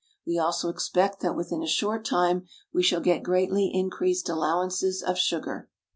We also expect that within a short time we shall get greatly increased allowances of sugar.